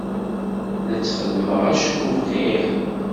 La t-xeddmeɣ acku bɣiɣ.